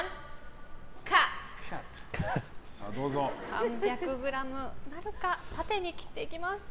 ３００ｇなるか、縦に切ります。